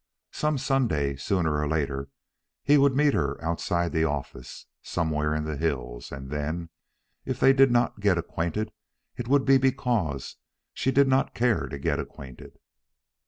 Some Sunday, sooner or later, he would meet her outside the office, somewhere in the hills, and then, if they did not get acquainted, it would be because she did not care to get acquainted.